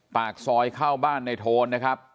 ปากซอยเข้าบ้านในโทนนะครับ